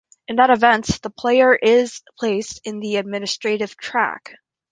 In that event, the player is placed in the Administrative Track.